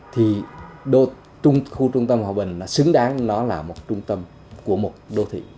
thì khu trung tâm hòa bình nó xứng đáng nó là một trung tâm của một đô thị